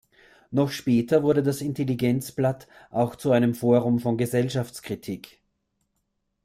Noch später wurde das Intelligenzblatt auch zu einem Forum von Gesellschaftskritik.